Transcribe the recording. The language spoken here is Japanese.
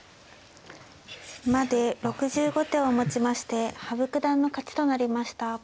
まで６５手をもちまして羽生九段の勝ちとなりました。